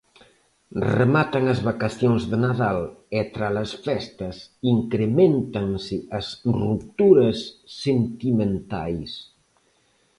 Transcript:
Rematan as vacacións de Nadal e tras as festas increméntanse as rupturas sentimentais.